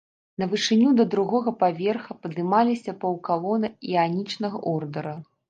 На вышыню да другога паверха падымаліся паўкалоны іанічнага ордара.